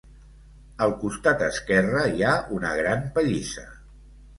Al costat esquerre hi ha una gran pallissa.